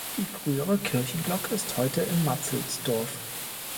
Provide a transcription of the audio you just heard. Die frühere Kirchenglocke ist heute in Matzelsdorf.